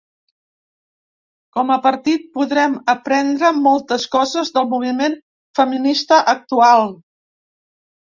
Com a partit, podrem aprendre moltes coses del moviment feminista actual.